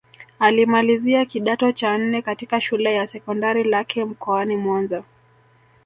Alimalizia kidato cha nne katika Shule ya Sekondari Lake mkoani Mwanza